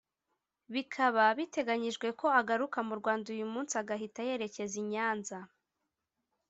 bikaba biteganyijwe ko agaruka mu Rwanda uyu munsi agahita yerekeza i Nyanza